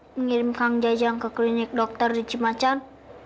mengirim kang jajang ke klinik dr dijimacan